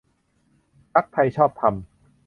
พรรคไทยชอบธรรม